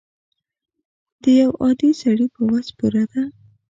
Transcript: د یو عادي سړي په وس پوره ده.